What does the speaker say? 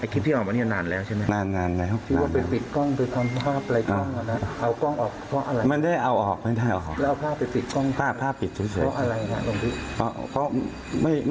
อ๋อเคลียร์มันนานแล้วใช่ไหม